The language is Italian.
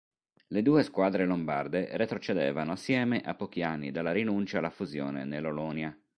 Le due squadre lombarde retrocedevano assieme, a pochi anni dalla rinuncia alla fusione nell'Olonia.